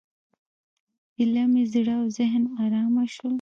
ایله مې زړه او ذهن ارامه شول.